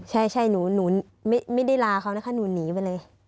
ใช่หนูไม่ได้ลาเขานะคะหนูหนีไปเลย